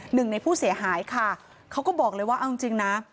หนึ่งในผู้เสียหายค่ะเขาก็บอกเลยว่าเอาจริงนะ